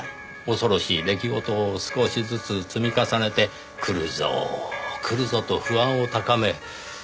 恐ろしい出来事を少しずつ積み重ねて来るぞ来るぞと不安を高め。